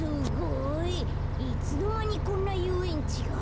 いつのまにこんなゆうえんちが？